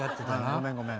ごめんごめん。